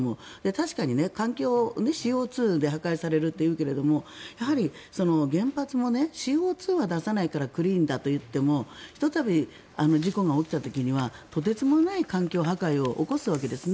確かに環境、ＣＯ２で破壊されるというけれどやはり原発をＣＯ２は出さないからクリーンだといっても事故が起きた時にはとてつもない環境破壊を起こすわけですね。